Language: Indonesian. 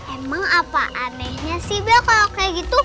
emang apa anehnya sih bel kalau kayak gitu